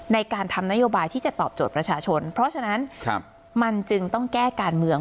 ในการทำนโยบายที่จะตอบโจทย์ประชาชนเพราะฉะนั้นมันจึงต้องแก้การเมือง